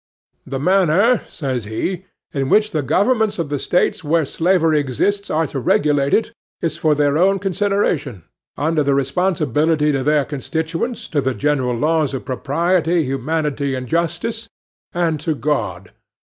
—"The manner," says he, "in which the governments of those States where slavery exists are to regulate it, is for their own consideration, under the responsibility to their constituents, to the general laws of propriety, humanity, and justice, and to God.